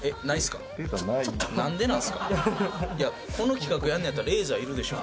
この企画やんのやったらレーザーいるでしょ